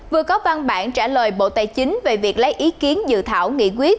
vừa có văn bản trả lời bộ tài chính về việc lấy ý kiến dự thảo nghị quyết